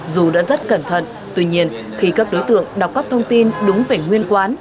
dù đã rất cẩn thận tuy nhiên khi các đối tượng đọc các thông tin đúng về nguyên quán